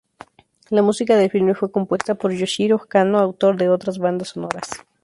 La Música del filme fue compuesta por Yoshihiro Kanno autor de otras bandas sonoras.